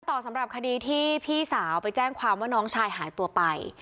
ต่อสำหรับคดีที่พี่สาวไปแจ้งความว่าน้องชายหายตัวไป